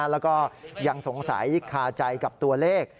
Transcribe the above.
แล้วก็ยังสงสัยคาใจกับตัวเลข